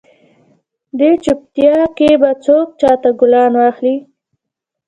دې چوپیتا کې به څوک چاته ګلان واخلي؟